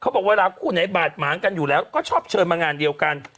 เขาบอกว่าเราละคู่ในบาดหมาอังกฎควรเชิญมางานเดียวกัน